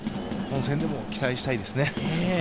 本戦でも期待したいですね。